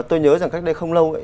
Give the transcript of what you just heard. tôi nhớ rằng cách đây không lâu ấy